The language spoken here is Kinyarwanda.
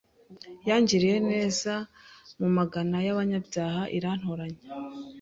yangiriye neza mu Magana y’abanyabyaha irantoranya